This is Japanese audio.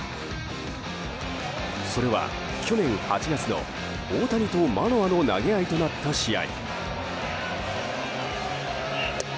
それは、去年８月の大谷とマノアの投げ合いとなった試合。